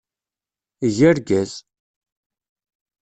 Eg argaz!